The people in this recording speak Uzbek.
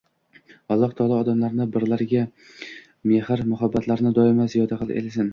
Alloh taolo odamlarni birlariga mehr muhabbatlarini doimo ziyoda aylasin